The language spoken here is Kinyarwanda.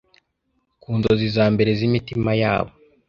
ku nzozi za mbere z'imitima yabo